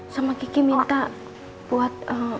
sama kiki minta buat